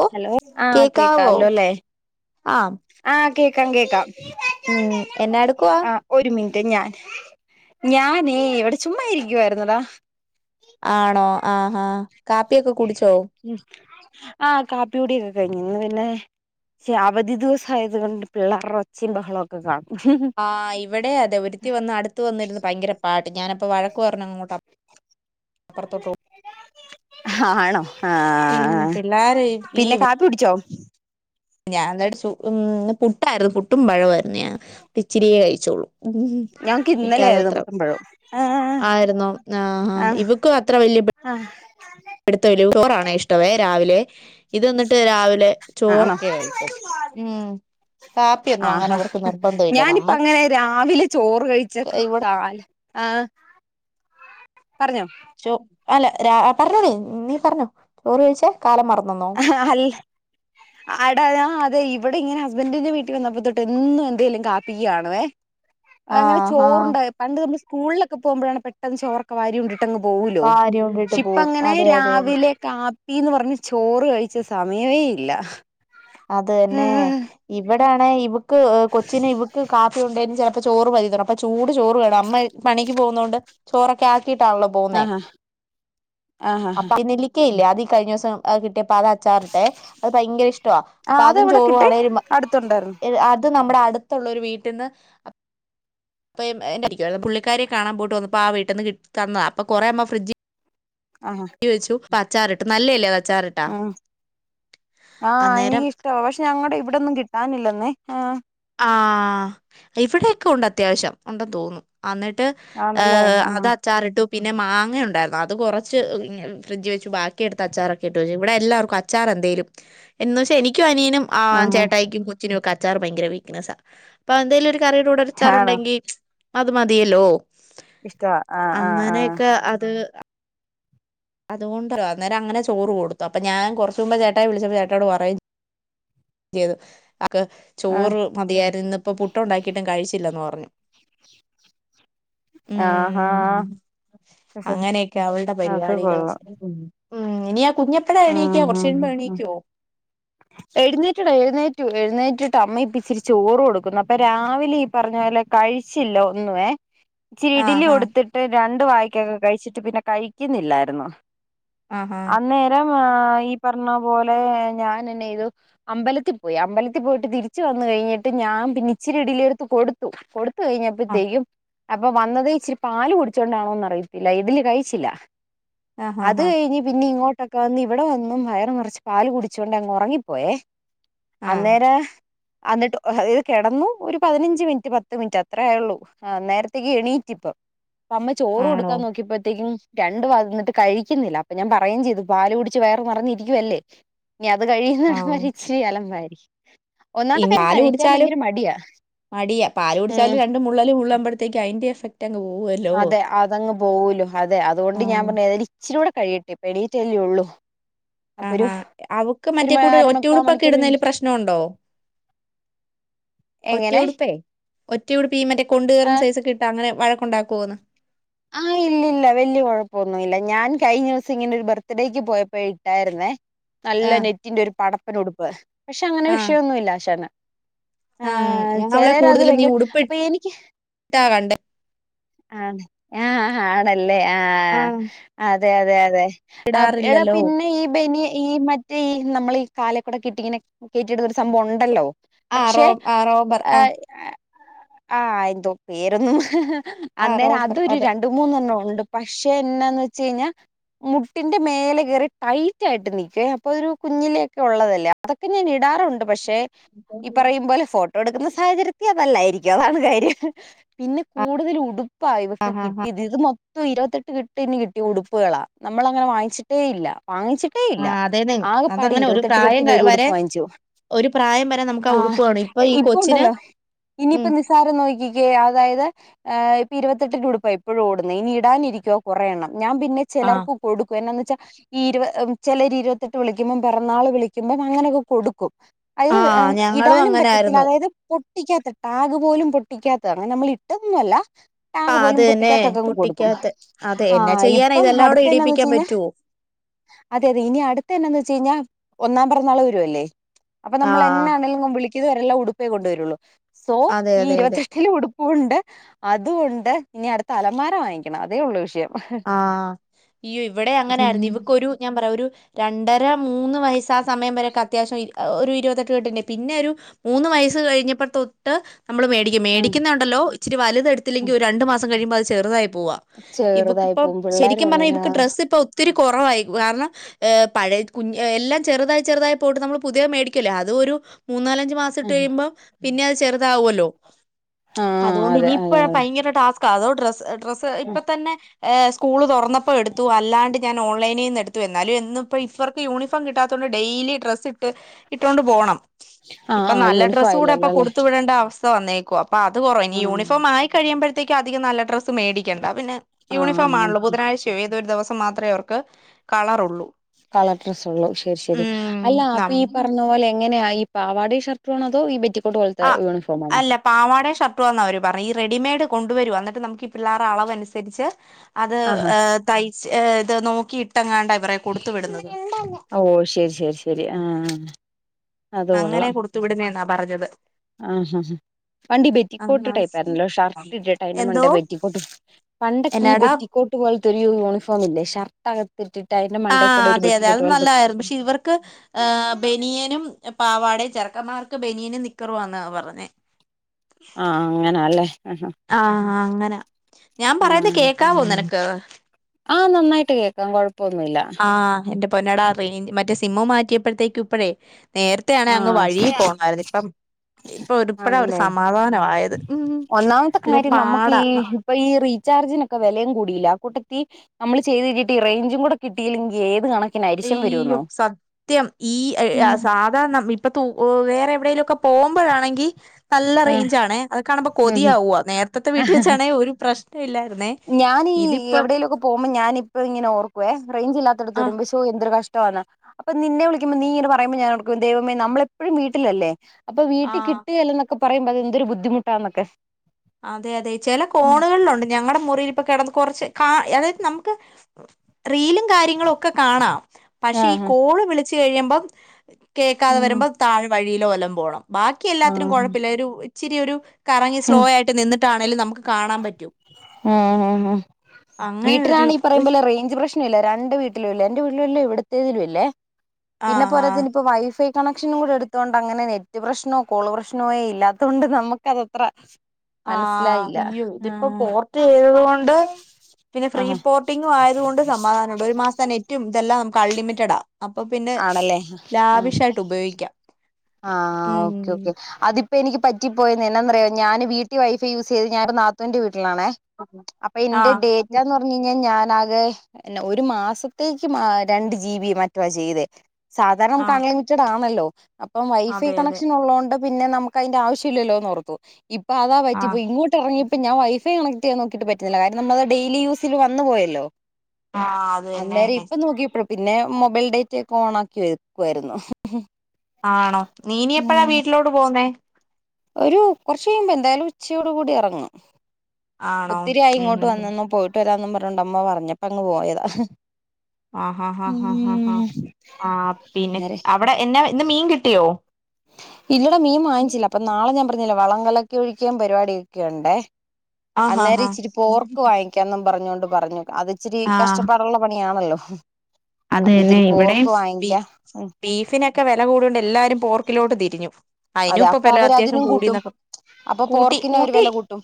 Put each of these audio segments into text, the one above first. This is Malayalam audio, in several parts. ഓ ഹലോ ആഹ് കേക്കാലൊലേ? ആം ആഹ് കേക്കാം കേക്കാം. ഉം എന്നാ എടുക്കുവാ? ആഹ് ഒരു മിനിറ്റ് ഞാൻ ഞാനേവിടെ ചുമ്മാ ഇരിക്കുവായിര്ന്നെടാ. ആണോ ആഹ് ആഹ് കാപ്പിയൊക്കെ കുട്ച്ചോ? ഉം ആഹ് കാപ്പികുടിയൊക്കെ കഴിഞ്ഞുന്ന് പിന്നെ ക്ഷെ അവധി ദിവസം ആയത് കൊണ്ട് പിള്ളേറ്ടെ ഒച്ചയും ബഹളൊക്കെ കാണും. ആ ഇവിടെം അതെ ഒര്ത്തി വന്ന് അടുത്ത് വന്നിര്ന്ന് ഭയങ്കര പാട് ഞാനപ്പോ വഴക്ക് പറഞ്ഞ് അങ്ങോട്ട് ആ പ്പൊർത്തോട്ടോ ആണോ ആഹ് പിള്ളേര് പിന്നെ കാപ്പി കുട്ച്ചോ? ഞാനട് ഉം പുട്ടായിര്ന്നു പുട്ടും പഴവുആയിരുന്നു ഞാ ഇച്ചിരിയേ കഴിച്ചൊള്ളു. ഉം ഞങ്ങക്ക് ഇന്നലെ ആയിരുന്നു എനിക്കതത്ര പുട്ടുംപഴവും ആഹ് ആയ്രുന്നോ ആഹ് ആഹ് ഇവക്കും അത്ര വല്യ പ് ആഹ്. പിട്ത്തലുചോറാണ് ഇഷ്ടവേ രാവിലെ ഇത് ന്നട്ട് രാവിലെ ആണോ ചോറൊക്കെ കഴിച്ച് ഉം. കാപ്പിയൊന്നും അങ്ങനെ ആഹാ അവർക്ക് നിർബന്ധമില്ല നമ്മ ഞാനിപ്പങ്ങനെ രാവിലെ ചോറ് കഴിച്ച ഇവിടെ കാല് ആഹ് പർഞ്ഞോ ചോ അല്ല രാ പർഞ്ഞോളി നീ പർഞ്ഞോ ചോറ് കയ്ച്ചാ കാലം മർന്നന്നോ? ആഹ് ടാ ഞാൻ അതെ ഇവിടെ ഇങ്ങനെ ഹസ്ബന്റിന്റെ വീട്ടി വന്നപ്പോ തൊട്ട് എന്നും എന്തേലും കാപ്പിക്കുകാണുവെ. [inaudible] അങ്ങനെ ആഹ് ചോറുണ്ട് പണ്ട് നമ്മള് സ്കൂളൊക്കെ പോവുമ്പഴാണ് പെട്ടെന്ന് ചോറൊക്കെ വാരി ഉണ്ട് പെട്ടെന്ന് പോവൊലോ ഭാര്യ കൊണ്ടിട്ട് ഷിപ്പ പോവും അങ്ങനെ അതെ അതെ അതെ രാവിലെ കാപ്പിന്ന് പർഞ്ഞ് ചോറ് കയ്ച്ച സമയവെ ഇല്ല. അത് തന്നെ ഇവിടാണെ ഇവക്ക് ഏഹ് കൊച്ചിന് ഇവക്ക് കാപ്പി ഉണ്ട ചോറ് വൽതണം അപ്പൊ ചൂട് ചോറ് വെണം അമ്മ പണിക്ക് പോകുന്നൊണ്ട് ചോറൊക്കെ ആക്കിട്ടാണല്ലോ ആഹ് ആഹാ ആഹാ ഹാ അപ്പൊ അരിനെല്ലിക്ക്യല്ലേ അത് ഈ കഴിഞ്ഞ ദിവസം കിട്ട്യപ്പം അത് ച്ചാർ ഇട്ടേ അത് ഭയങ്കര ഇഷ്ടവാ ആ അപ്പൊ അതും അതെവിടെ ചോറും കിട്ടി ആണെൽ മ അടുത്തുണ്ടായിരുന്നു ഇത് നമ്മടെ അട്തൊള്ളരു വീട്ടിന്ന് [unintelligible] പുള്ളിക്കാരിയെ കാണൻ പോയിട്ട് വന്നപ്പോ ആ വീട്ടന്ന് കെട്ടി തന്നത അപ്പൊ കൊറേ അമ്മ ഫ്രഡ്ജി ആഹ് വെച്ചു ഇപ്പൊ അച്ചാറ് ഇട്ടു നല്ലേ അല്ലയോ അച്ചാറ്? ഉം ആഹ് അന്നേരം എനിക്കിഷ്ടാവാ പക്ഷെ ഞങ്ങടെ ഇവടൊന്നും കിട്ടാനില്ലന്നേ ആഹ്. ആഹ് ഇവിടൊക്കെ ഉണ്ട് അത്യാവശ്യം ഉണ്ടെന്ന് തോന്നു. അന്നിട്ട് ആണല്ലേ ഏഹ് ആഹ് അതച്ചാറിട്ടു പിന്നെ മാങ്ങയൊണ്ടായിരുന്നു അത് കൊറച്ച് ഇങ്ങെ ഫ്രിഡ്ജീ വെച്ചു ബാക്കിയെട്ത്തച്ചാറൊക്കെ ഇട്ട് വെച്ചു ഇവിടെ എല്ലാർക്കും അച്ച് ച്ചാറെന്തേലും എന്ന് വെച്ചാ എനിക്കും അനിയനും ആഹ് ചേട്ടായിക്കും കൊച്ചിനുവൊക്കെ അച്ചാറ് ഭയങ്കര വീക്ക്നസാ പാ എന്തേലൊരു ആണോ കറീടൂടൊരച്ചാറുണ്ടെങ്കി അത് മതിയല്ലോ. ഇഷ്ടവാ ആഹ് ആഹ് അങ്ങനെക്കെ അത് അതുകൊണ്ടരു അന്നേര അങ്ങനെ ചോറ് കൊടുത്തു അപ്പ ഞാൻ കൊറച്ചു മുമ്പേ ചേട്ടായി വിളിച്ചപ്പ ചേട്ടായോട് പറയും ചെയ്ത് ആക്ക് ആഹ് ചോറ് മതിയാര്‌ന്ന്‌ന്നിപ്പ പുട്ടൊണ്ടാക്കിയിട്ടും കഴിച്ചില്ലന്ന് പറഞ്ഞു. ആഹ് ആഹാ ഉം അങ്ങനെയൊക്കെ അവൾടെ അത് പരിപാടി. കൊള്ളാം ഉം ഉം ഇനിയാ കുഞ്ഞ് ഉം ഉം ഉം. [inaudible] എഴുന്നേറ്റെടാ എഴുന്നേറ്റു എഴുന്നേറ്റിട്ടമ്മയിപ്പിച്ചിരി ചോറ് കൊടുക്കുന്നു അപ്പ രാവിലെയീ പറഞ്ഞ പോലെ കഴിച്ചില്ല ഒന്നുവേ ഇച്ചിരി ഇഡിലി ആഹ് കൊടുത്തിട്ട് രണ്ട് വായ്ക്കക്കെ കഴിച്ചിട്ട് പിന്നെ കഴിക്ക്ന്നില്ലായിരുന്നു ആഹ് അന്നേരം ആഹ് ഈ പറഞ്ഞ പോലെ ഞാനെന്നെയ്തു അമ്പലത്തിപ്പോയി അമ്പലത്തി പോയിട്ട് തിരിച്ച് വന്ന് കഴിഞ്ഞിട്ട് ഞാൻ പിന്നിച്ചിരി ഇഡിയിലെടുത്ത് കൊടു ത്തു കൊടുത്ത് ആഹ് കഴിഞ്ഞപ്പഴത്തേയും അപ്പ വന്നതേ ഇച്ചിരി പാല് കുടിച്ച കൊണ്ടാണോന്നറിയത്തില്ല ഇഡ്ഡലി കഴിച്ചില്ല ആഹ് ആഹ് അത് ആഹ് കഴിഞ്ഞ് പിന്ന ഇങ്ങോട്ടൊക്ക വന്ന് ഇവിട വന്നും വയറ് നെറച്ച് പാല് കുടിച്ചു കൊണ്ടങ്ങൊറങ്ങി പോയേ ആഹ് അന്നേരാ അന്നിട്ട് ഒഹെ ഇത് കെടന്നു ഒരു പതിനഞ്ച് മിനിറ്റ് പത്ത് മിനിറ്റ് അത്രേ ആയൊള്ളു ആഹ് നേരത്തിക്ക് എണീറ്റിപ്പം അമ്മ ചോറ് ആണോ കൊടുക്കാൻ നോക്കിയപ്പഴത്തേക്കും രണ്ടു വാ തിന്നിട്ട് കഴിക്കുന്നില്ല അപ്പ ഞാൻ പറയേം ചെയ്തു പാല് കുടിച്ച് വയറ് നെറഞ്ഞിരിക്കുവല്ലേ ഇനി അത് കഴിയുന്നിടം ആഹ് വരെ ഇച്ചിരി അലമ്പായിരിക്കും ഒന്നാമത്തെ ഇനി കാര്യം പാല് കഴിക്കാൻ കുടിച്ചാലും ഭയങ്കര മടിയാ മടിയാ പാല് ഉം കുടിച്ചാലും രണ്ട് മുള്ളല് മുള്ളമ്പഴത്തേക്ക് അയിന്റെ എഫക് റ്റങ്ങ് പോവുകേ അതെ അതങ്ങ് പോവൂല്ലോ അതെ അതുകൊണ്ട് ഞാൻ ആഹ് പറഞ്ഞു ഏതായാലും ഇച്ചിരൂട കഴിയട്ടെ ഇപ്പെണീറ്റല്ലെ ഒള്ളു ആഹാ ആഹ് അവക്ക് മറ്റേ കൂട് അരമുക്കാൽ ഒറ്റയുടുപ്പക്ക മണിക്കൂർ കഴിഞ്ഞ് ഇടുന്നയില് പ്രശ്നവൊണ്ടോ എങ്ങനെ ഒറ്റയുടുപ്പേ ഒറ്റയുടുപ്പീ മറ്റേ കൊണ്ട് ആ കേറുന്ന സൈസൊക്കെയിട്ട് ട്ടങ്ങനെ വഴക്കൊണ്ടാക്കുവോന്ന് ആഹ് ഇല്ല ഇല്ല വലിയ കുഴപ്പൊന്നുമല്ല ഞാൻ കഴിഞ്ഞ ദിവസം ഇങ്ങനെ ഒരു ബർത്ത്ഡേയ്ക്ക് പോയപ്പോ ഇട്ടായിരുന്നേ നല്ല ആഹ് നെറ്റിന്റെ ഒരു പടപ്പന് ഉടുപ്പ് പക്ഷെ അങ്ങനെ ആഹ് വിഷമമൊന്നുമില്ലാശാന് ആഹ് ഞാൻ അവളെ ചെലരത് കൂടുതലും നീ ഭയങ്കര അപ്പൊ ഉടുപ്പിട്ടാ എനിക്ക് കണ്ടേ ആ ആഹ് ആഹ് ആണല്ലേ ആഹ് അതെ അതെ അതെ ആ എടാ ഇടാറില്ലല്ലോ പിന്നെ ഈ ബനിയ ഈ മ ഈ നമ്മള് ഈ കാലക്കൂട കെട്ടിങ്ങനെ കേറ്റിടുന്നൊരു സംഭവം ഉണ്ടല്ലോ ആഹ് റോ പക്ഷെ ആഹ് റോബർ ആഹ് ആ എന്തോ പേരൊന്നും ഹി ഹി ആഹ് അന്നേരം റോബർ അതൊരു അത് രണ്ട് മൂന്നെണ്ണം ഉണ്ട് പക്ഷെ എന്നാന്ന് വെച്ച് കഴിഞ്ഞാ മുട്ടിന്റെ മേലെ കേറി ടൈറ്റ് ആയിട്ട് നിക്കുവേ അപ്പൊ ഒരു കുഞ്ഞിലൊക്കെ ഉള്ളതല്ല അതൊക്കെ ഞാൻ ഇടാറുണ്ട് പക്ഷെ ഈ പറയുംപോലെ ഫോട്ടോ ട്ടോ എടുക്കുന്ന സാഹചര്യത്തിൽ അതല്ലായിരിക്കും അതാണ് കാര്യം പിന്നെ കൂടുതൽ ഉടുപ്പാ ഇവ ക്കെ ആഹ് ആഹ് ആഹ് കിട്ടിയത് ഇത് മൊത്ത ഇരുപത്തെട്ട് കെട്ടിന്ന് കിട്ടിയ ഉടുപ്പുകളാ നമ്മൾ അങ്ങനെ വാങ്ങിട്ടേ ഇല്ല വാങ്ങിച്ചി ട്ടേയില്ല ആഹ് അതേന്നെ ആകെ പാടെ അതങ്ങനെ ഒരു ഇരുപത്തെട്ട് പ്രായം കെട്ടിന് ക വരെ ഒരുടുപ്പ് വാങ്ങിച്ചു ഒരു പ്രായം വരെ നമുക്ക് ആ ഉളുപ്പാണ് ഇപ്പൊ ഈ ഇപ്പ കൊച്ചിന് ഉണ്ടല്ലോ ഉം ഇനിയിപ്പോ നിസ്സാരം നോക്കിക്കേ അതായത് ഏഹ് ഇപ്പ ഇരുപത്തി ട്ടിന്റെ ഉടുപ്പാ ഇപ്പോഴും ഓടുന്നേ ഇനി ഇടാനിരിക്കുവാ കൊറെ എണ്ണം ഞാൻ പിന്നെ ആഹ് ചിലർക്ക് കൊടുക്കും എന്നാന്ന് വെച്ചാൽ ഈ ഇരു ചിലര് ഇരുപത്തിത്തെട്ട് വിളിക്കുമ്പം പിറന്നാള് വിളിക്കുമ്പം അങ്ങനെയൊക്കെ കൊടുക്കും അയ്ന് ത് ആഹ് ഞങ്ങളും ഇടാനും പറ്റത്തില്ല അങ്ങനായിരുന്നു അതായത് പൊ ട്ടിക്കാത്ത ടാഗ് പോലും പൊട്ടിക്കാത്ത അങ്ങനെ നമ്മളിട്ടന്നും അല്ല ടാങ് ആഹ് പോലും അത് തന്നെ പൊട്ടിക്കാത്തക്കും കൊടുക്കും പൊട്ടിക്കാത്തെ അതെ എന്നാ ആഹ് ചെയ്യാനാ ഇപ്പം ഇതെല്ലാം കൂടെ അടുത്തന്താന്ന് വെച്ച് ഇടീപ്പിക്കാൻ കഴിഞ്ഞാ പറ്റുവോ അതെ അതെ ഇനി അടുത്ത എന്നാന്ന് വെച്ച് കഴിഞ്ഞാൽ ഒന്നാം പിറന്നാള് വരുവല്ലേ അപ്പൊ നമ്മൾ ആഹ് എന്നാണെലും വിളിക്കുന്നവരെല്ലാം ഉടുപ്പേ കൊണ്ട്വരുള്ളൂ സോ അതെ ഈ അതെ അതെ ഇരുപത്തെട്ട് ഇതിൽ ഉടുപ്പുണ്ട് അതുകൊണ്ട് ഇനി അടുത്ത അലമാര വാങ്ങിക്കണം അതേ ഉള്ളു വിഷയം ആഹ് ഇവടേ അങ്ങനെ ഉം ആയിരുന്നു ഇവക്കൊരു ഞാൻ പറയാ ഒരു രണ്ടര മൂന്ന് വയസ്സ ആ സമയം വരൊക്കെ അത്യാവശ്യം ഒരു ഇരുപത്തെട്ട് കെട്ടിണ്ട് പിന്നെ ഒരു മൂന്ന് വയസ്സ് കഴിഞ്ഞപ്പ തൊട്ട് നമ്മള് മേടി ഇ ഉം മേടിക്കുന്നുണ്ടല്ലോ ഇച്ചിരി വലുത് ഉം എടുത്തില്ലെങ്കിൽ ഒരു രണ്ട് മാസം കഴിയുമ്പ അത് ചെറുതായി പോവ ചെറുതായി ഇപ്പ പോകും പിള്ളേർ ശരിക്കും പറഞ്ഞാൽ വളരാ ഇക്ക് ഡ്രസ്സ് ഇപ്പ ഒത്തിരി കുറവായി കാരണം ഏഹ് പഴത് കുഞ് എല്ലാം ചെറുതായി ചെറുതായി പോയിട്ട് നമ്മൾ പുതിയ മേടിക്കല്ലേ അത് ഒരു മൂന്നാലഞ്ച മാസം ഇട്ട് ആഹ് കയ്യുമ്പം പിന്നെ അത് ചെറുതാവല്ലോ അതൊണ്ട് അതെ അതെ ഇനിയിപ്പ അതെ ഭയങ്കര ടാസ് ക്കാ അതോ ഡ്രസ് ഡ്രസ്സ് ഇപ്പ തന്നെ ഏഹ് സ്കൂള് തുറന്നപ്പോ എടുത്തു അല്ലാണ്ട് ഞൻ ഓൺലൈനിന്ന് എടുത്തു എന്നാലും എന്നു ഇപ്പോ ഇവർക്ക് യൂണിഫോ ഇപ്പം കിട്ടാത്തൊണ്ട് ഡെയ്ലി ഡ്രസ്സ് ഇട്ട് ഇട്ടോണ്ട് പോണം ആഹ് ഇപ്പൊ ആഹ് നല്ല യൂണിഫോം ഡ്രസ്സ് കൂടെ ഇപ്പൊ ആയില്ലല്ലോ അല്ലെ കൊടുത്തു വിടേണ്ട അവസ്ഥ വന്നേക്കോ അപ്പൊ അത് കുറവ ഇനി ആഹ് യൂണഫം ആയി കഴിയുമ്പഴത്തേക്കും അധിക നല്ല ഡ്രസ്സ് മേടിക്കണ്ട പിന്നെ ആഹ് യൂണിഫോം ആഹ് ആണല്ലോ ഓക്കെ ബുധനാഴ്ചയോ ഏതൊരു ദിവസം മാത്രമേ അവർക്ക് കളറൊള്ളൂ കളർ ഡ്രസ്സ് ഒള്ളു ശരി ശരി അല്ല അപ്പൊ നം ഈ പറഞ്ഞ പോലെ എങ്ങനെയാ ഈ പാവാടയും ഷർട്ട് ആണതോ ഈ പെറ്റി ആഹ് അല്ല പാവാട ഷർട്ടുവാന്ന അവര് പർഞ്ഞ ഈ റെഡിമെയ്ഡ് കൊണ്ടുവരുവാ എന്നിട്ട് നമുക്ക് പിള്ളേര അളവനുസരിച്ച് അത് ആഹാ തയ്ച്ച് ഇത് നോക്കിയിട്ടങ്ങാണ്ട അവരെ കൊടുത്തു വിടുന്നത് ഓ ശരി ശരി ശരി ആഹ് അത് അങ്ങനെ കൊള്ളാം കൊടുത്തു വിടുന്ന എന്നാ പറഞ്ഞത് ആഹ് ഹ ഹാ പണ്ടി ബെറ്റിക്കോട്ട് ടൈപ്പായിരുന്നല്ലോ ആഹ് ഷർട്ട് ഇട്ട്ട്ട് അയിന്റെ മണ്ട എന്തോ ബെറ്റിക്കോട്ട് പണ്ടക്കീ എന്നാടാ ബെറ്റിക്കോട്ട് പോൽതൊരു യൂണിഫോം ഇല്ലേ ഷർട്ട് ഇട്ടിട്ട് അയ്ന്റെ മണ്ടേകൂടെ ഒരു ബെറ്റിക്കോട്ട് പോൽത്തെ സിൽവർ ക്ക് ബനിയനും പാവാടയും ചെർക്കന്മാർക്ക് ബനിയനും നിക്കറുവാന്ന പറഞ്ഞെ ആഹ് അങ്ങനാല്ലേ അഹ് ആഹ് അങ്ങനാ ഞാ പറയുന്നെ ആഹ് കേക്കാവോ നിനക്ക് ആഹ് നന്നായിട്ട് കേക്കാം കൊഴപ്പൊന്നുല്ല ആഹ് എന്റെ പൊന്നടാ റെയ്‌ഞ്ച് മറ്റേ സിമ്മ് മാറ്റിയപ്പോഴത്തേക്കും ഇപ്പഴേ നേരത്തെ ആണേ അങ്ങ് ആഹ് വഴി പോണായിരുന്നു ഇപ്പം ഇപ്പൊരുപ്പഴാ ഒരു ആണല്ലേ സമാധാനവായത് ഉം ഒന്നാമത്തെ അല്ലെ കാര്യം നമുക്ക് പാടാ ഈ ഇപ്പൊ ഈ റീചാർജിനൊക്കെ വെലയും കൂടീലെ ആ കൂട്ടത്തി നമ്മള് ചെയ്ദഴിഞ്ട്ട് ഈ റൈഞ്ചും കൂടെ കിട്ടിയില്ലെങ്കി ഏത് കണ അയ്യോ സത്യം ഈ അയ് ഉം സാ ധനം ഇപ്പൊ തൂ വേറെ എവിടേലൊക്കേ പോകുമ്പഴാണെങ്കി നല്ല ആഹ് റേഞ്ച ആണേ അത് കാണുമ്പൊ ഉം ആ കൊതിയാവുവ നേര്തെത്തെ വീട്ടിവെച്ചാണെ ഒരു പ്രശ്നം ഇല്ലായിരുന്നേ ഞാനീ ഇതിപ്പം എവിടേലൊക്കെ പോക്മ്പോ ഞാന്പ്പഴും ഇങ്ങനെ ഓർക്കുവേ റൈഞ്ചില്ലാതോട്ത്ത് ആഹ് വരുമ്പോ ഷ് ഷോ എന്തൊരു കഷ്ടവാന്ന് അപ്പൊ നിന്നെ വിളിക്കുമ്പ നീ ഇത് പറുമ്പോ ഞാൻ ഓർക്കും ദൈവമ നമ്മളപ്പഴും വീട്ടിലല്ലേ അപ്പൊ ആഹ് വീട്ടികിട്ടുകേലൊന്നൊക്കെ പറയുമ്പോ അത് എന്തൊരു ബുദ്ധിമുട്ടാന്നൊക്കെ അതെ അതെ ചില കോണുകളിലുണ്ട് ഞങ്ങടെ മുറീലിപ്പ കിടന്ന് കൊറച്ച് കാ അതായത് നമുക്ക് റീലും കാര്യങ്ങളൊക്കെ കാണാം പക്ഷെ ഈ ആഹ് കോള് വിളിച്ച് കഴിയുമ്പം കേൾക്കാതെ വരുമ്പോ തായേ വഴിയിലോ വല്ലംപോണം ബാക്കി എല്ലാത്തിനും ആഹ് കുഴപ്പല്ല ഒരു ഇച്ചിരി ഒരു കറങ്ങി സ്ലോ ആയി ഉം ഉം ഉം അങ്ങനെ ഒരു വീട്ടിലാണേ ഈ പറയുമ്പോലെ റേഞ്ച് പ്രശ്നം ഇല്ല രണ്ട് വീട്ടിലും ഇല്ല എന്റെ വീട്ടിലും ഇല്ല ഇവിടത്തേതിലും ഇല്ലേ പിന്നെ ആഹ് ആഹ് പോരാത്തെയ്ന് ഇപ്പൊ വൈഫൈ കണക്ഷനും കൂടെ എടുത്തോണ്ട് അങ്ങനെ നെറ്റ് പ്രശ്നോ കോള് പ്രശ്നോ ഏ ഇല്ലാത്തോണ്ട് ന്നമ്മക്ക് അതത്ര ആഹ് അയ്യോ ഇതിപ്പോ പോർട്ടെ യ്തത് കൊണ്ട് പിന്നെ ഫ്രീ ആഹ് പോർ ട്ടിങ്ങും ആയത് കൊണ്ട് സമാധാനം ഉണ്ട് ഒരു മാസത്തെ നെറ്റും ഇതെല്ലാം നമക്ക് അൺലിമിറ്റഡാ. അപ്പൊ പിന്നെ ആണല്ലേ ആ ലാവിഷായിട്ട് ഉപയോഗിക്കാം. ആഹ് ഓക്കെ ഓക്കെ ഉം അതിപ്പോ എനിക്ക് പറ്റിപ്പോയെന്നേ എനാന്നറിയോ ഞാന് വീട്ടി വൈഫൈ യൂസയ്ത് ഞാൻ ന്റെ നാത്തൂന്റെ വീട്ടിലാണെ അപ്പൊ എന്റെ ഡേറ്റ ആഹ് ന്നൊർ- പിന്നെ ഞാനാകേ പിന്നെ ഒരു മാസത്തേക്ക് ആഹ് രണ്ട് ജീബി മറ്റൊ വാ ചെയ്തേ സാധാരണ നമ്മക്ക് ആഹ് കൺലിമിറ്റട് ആണല്ലോ അപ്പം വൈഫൈ അതെ അതെ കണക്ഷൻ ഉള്ളതോണ്ട് പിന്നെ നമക്ക് അയ്ന്റെ ആവശ്യല്ലല്ലോന്നോർത്തു ഇപ്പൊ അതാ ആഹ് പറ്റിപ്പോയി ഇങ്ങോട്ട് എറങ്ങിയ പ്പൊ ഞാൻ വൈ ഫൈ കണക്റ്റെയ്യാൻ നോക്കിയിട്ട് പറ്റുന്നില്ല കാരണം നമ്മളത് ഡൈലി യൂസില് വന്ന് പോയല്ലോ ആഹ് അത് തന്നെ അന്നേരം ഇപ്പൊ നോക്കിയപ്പോഴ പിന്നെ മൊബൈൽ ഡേറ്റ ഒക്കെ ഓണാക്കി വെക്കുവായിരുന്നു. ആണോ ന്നീ ഇനി എപ്പഴാ വീട്ടിലോട്ട് പോകുന്നെ ഒരു കൊറച്ച് കഴിയുമ്പൊ എന്തായാലും ഉച്ചയോട് കൂടി എറങ്ങും ആണോ ഒത്തിരി ആയി ഉം ഇങ്ങോട്ട് ഉം വന്നന്നും പോയിട്ട് വരാന്നും പറഞ്ഞോണ്ട് അമ്മ പറഞ്ഞപ്പൊ അങ്ങ് പോയതാ ഹ് ആഹ് ഹ ഹ ഹ ഹ ഹ ആഹ് പിന്നെ അന്നേരെ അവിടെ എനാ ഇന്ന് മീൻ കിട്ടിയോ? ഇല്ലടാ മീൻ വാങ്ങിച്ചില്ല അപ്പ നാളെ ഞാൻ ട്ടുന്നില്ല വളം കലക്കി ഒഴിക്കലും പരിപാടിഒക്കെ ഉണ്ടേ ആഹാ അന്നേരം ഹാ ഇച്ചിരി പോർക്ക് വാങ്ങി ക്കാന്നും പറഞ്ഞൊണ്ട് പറഞ്ഞു അത് ഇച്ചിരി ആഹ് കഷ്ടപ്പാടുള്ള പണിയാണല്ലോ? അത് അപ്പൊ തന്നെ ഇത്തിരി ഇവിടേം പോർക്ക് ബി വാങ്ങിക്കാം ഉം ബീഫിനൊക്കെ വില കൂഡ്യോണ്ട് എല്ലാരും പോർക്കിലോട്ട് തിരിഞ്ഞു. അയ്നും അതെ ഇപ്പൊ അപ്പൊ വെല അവര് അത്യാവഷ്യം അതിനും കൂട്ടും കൂടീന്നൊക്കെ അപ്പൊ കൂട്ടി പോർക്കിന് അവര് കൂട്ടി വില കൂട്ടും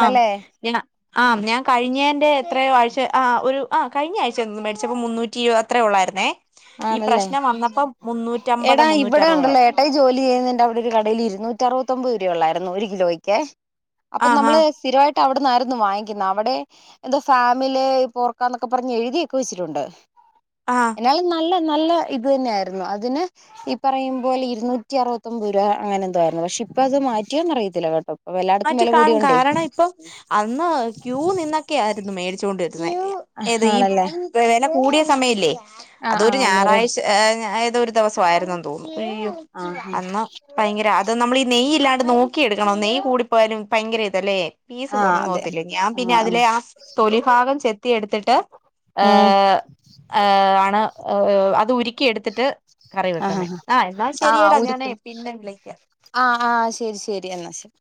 ആം ഞാ ആം ഞാ കഴിഞ്ഞേൻ്റെ എത്രയോ ആഴ്ച ആഹ് ഒരു ആഹ് കഴിഞ്ഞ ആഴ്ചയാ തോന്നുന്നു മേടിച്ചപ്പോ മുന്നൂറ്റി ഇരുവത് അത്രേ ഉള്ളായിരുന്നേ ഈ ആണല്ലേ പ്രശ്നം വന്നപ്പം മുന്നൂറ്റമ്പത് എടാ ഇവടെ ഉണ്ടല്ലോ മുന്നൂറ്ററുപതായി ഏട്ടായി ജോലി ചെയ്യുന്നതിന്റെ അവടെ ഒരു- കടയില് ഇരുന്നൂറ്റ അറുവത്തൊമ്പത് രൂപ ഒള്ളായിരുന്നു ഒരു കിലോയ്ക്കേ അപ്പ ആഹാ നമ്മള് സ്ഥിരവായി ട്ട അവിടന്നായിരുന്നു വാങ്ങിക്ക്ന്ന് അവിടെ എന്താ ഫാമിലെ പോർക്കാന്നൊക്കെ പറഞ്ഞ് എഴുതിയൊക്കെ വെച്ചിട്ടുണ്ട്. ആഹ് അയാൾ നല്ല നല്ല ഇത് തന്നെ ആയിരുന്നു അതിന് ഈ പറയും മ്പോലെ ഇരുന്നൂറ്റി അറുവത്തൊമ്പത് രൂപ അങ്ങനെ എന്തോ ആയിരുന്നു പക്ഷെ ഇപ്പ അത് മാറ്റിയൊന്ന് അറിയത്തില്ല കേട്ടോ. ഇപ്പൊ എല്ലായിടത്തും മാറ്റി വില കാണും കൂടിയോണ്ടേ കാരണം ഇപ്പം. അന്ന് ക്യൂ നിന്നൊക്കെയ ആയിരുന്നു മേടിച്ചോണ്ട് ഇരുന്നത് ഏത് ഈ. ആണല്ലേ വെല കൂടിയ സമയം ല്ലെ ആഹ് അതൊരു ആഹ് അന്നേരം ഞായറാഴ്ച്ച ഏഹ് ഏതോ ഒര് ദിവസം ആയിരുന്നു തോന്നുന്നു അയ്യൊ ആഹ് അന്ന്. ഭയങ്കര അത് നമ്മൾ ഈ നെയ്യ് ഇല്ലാണ്ട് നോക്കിയെടുക്കണ്ണം നെയ്യ് കൂടിപ്പോയാലും ഭയങ്കര ഇതല്ലേ. പീസ് ആഹ് കുറഞ്ഞു അതെ പോകത്തില്ലേ ഞാൻ പിന്നെ ആഹ് ആഹ് അതിലെ ആ തൊലി ഭാഗം ചെത്തി എടുത്തിട്ട്. ഉം ഏഹ് ഏഹ് ആണ് അത് ഉരുക്കി എടുത്തിട്ട്. കറി ആഹ് വെക്കുന്നേ ആ എന്നാൽ ആഹ് ശരിയെടാ ഞാനേ ഉരുക്കണം പിന്നെ വിളക്കാ. ആഹ് ആഹ് ശരി ശരി എന്നാ ശെരി